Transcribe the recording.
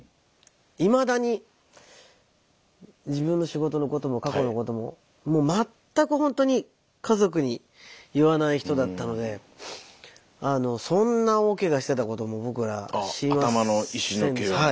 いまだに自分の仕事のことも過去のことも全くほんとに家族に言わない人だったのでそんな大けがしてたことも僕ら知りませんでした。